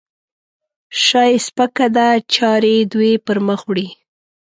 شا یې سپکه ده؛ چارې دوی پرمخ وړي.